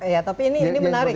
ya tapi ini menarik